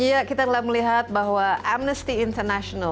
iya kita telah melihat bahwa amnesty international